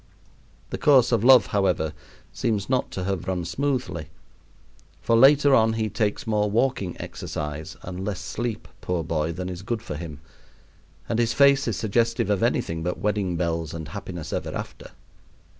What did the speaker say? The course of love, however, seems not to have run smoothly, for later on he takes more walking exercise and less sleep, poor boy, than is good for him; and his face is suggestive of anything but wedding bells and happiness ever after.